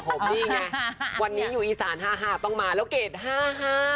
นี่ไงวันนี้อยู่อีสานห้าห้าต้องมาแล้วเกรดห้าห้า